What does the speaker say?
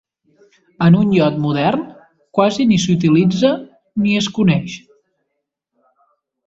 En un iot modern, quasi ni s'utilitza ni es coneix.